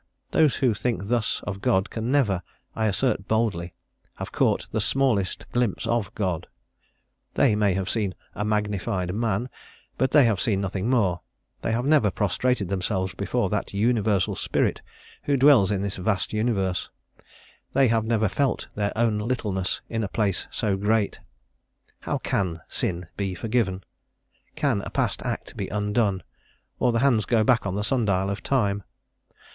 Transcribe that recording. Those who think thus of God can never I assert boldly have caught the smallest glimpse of God. They may have seen a "magnified man," but they have seen nothing more; they have never prostrated themselves before that Universal Spirit who dwells in this vast universe; they have never felt their own littleness in a place so great. How can sin be forgiven? can a past act be undone, or the hands go back on the sun dial of Time?